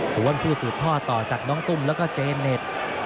ถือว่าเป็นผู้สืบทอดต่อจากน้องตุ้มแล้วก็เจเน็ต